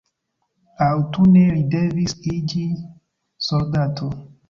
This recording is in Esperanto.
Aŭtune li devis iĝi soldato.